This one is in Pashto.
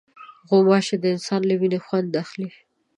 غوماشې د انسان له وینې خوند اخلي.